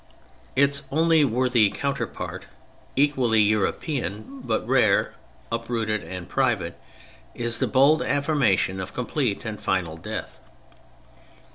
Its only worthy counterpart (equally European but rare, uprooted and private) is the bold affirmation of complete and final death.